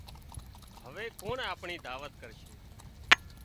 هوي ڪُوڻ آپڻي دعوت ڪرشي